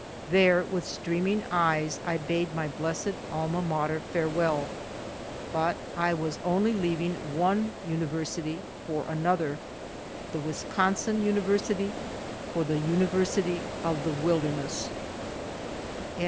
There with streaming eyes I bade my blessed Alma Mater farewell. But I was only leaving one University for another, the Wisconsin University for the University of the Wilderness.